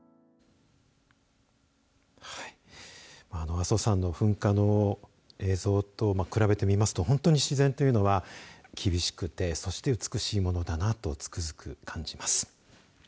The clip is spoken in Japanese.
阿蘇山の噴火の映像と比べてみますと本当に自然というのは厳しくてそして美しいものだなとつくづく感じます。